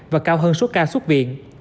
và cao hơn số ca xuất viện